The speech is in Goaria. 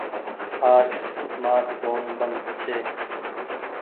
آج مآر ڦون بند ڇي